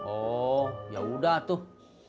oh yaudah tuh